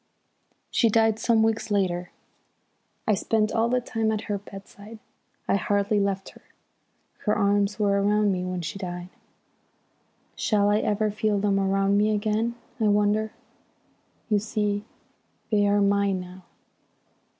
"She died some weeks later. I spent all the time at her bedside, I hardly left her. Her arms were round me when she died. Shall I ever feel them round me again? I wonder! You see, they are mine now.